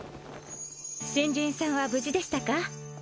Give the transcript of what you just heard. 新人さんは無事でしたか？